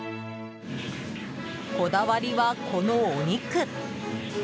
こだわりは、このお肉。